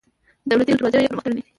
د دولتي دندو دروازې یې پر مخ تړلي دي.